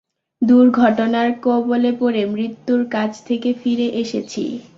দূর্ঘটনার কবলে পড়ে মৃত্যুর কাছ থেকে ফিরে এসেছি।